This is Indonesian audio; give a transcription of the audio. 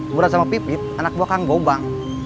murad sama pipit anak buah kang gobang